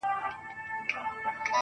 خدایه چیري په سفر یې له عالمه له امامه.